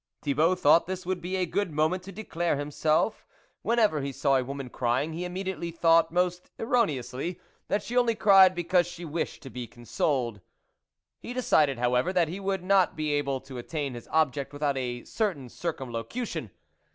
" Thibault thought this would be a good moment to declare himself ; whenever he saw a woman crying, he immediately thought, most erroneously, that she only cried because she wished to be con* soled. *" "s. 4 6 THE WOLF LEADER He decided, however, that he would not be able to attain his object without a certain circumlocution.